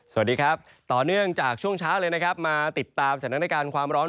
สวัสดีครับต่อเนื่องจากช่วงเช้าเลยนะครับมาติดตามสถานการณ์ความร้อน